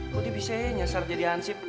kok dia bisa aja nyasar jadi hansip